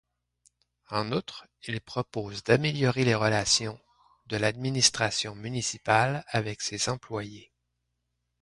En outre, il propose d’améliorer les relations de l’administration municipale avec ses employés.